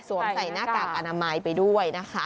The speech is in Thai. ใส่หน้ากากอนามัยไปด้วยนะคะ